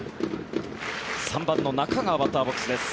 ３番の中川バッターボックスです。